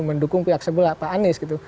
mendukung pihak sebelah pak anies gitu